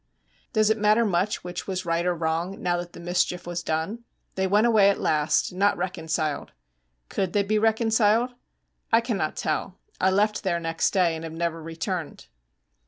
Does it matter much which was right or wrong, now that the mischief was done? They went away at last, not reconciled. Could they be reconciled? I cannot tell. I left there next day, and have never returned.